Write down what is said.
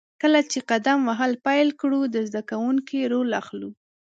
کله چې قدم وهل پیل کړو، د زده کوونکي رول اخلو.